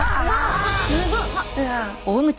すごっ！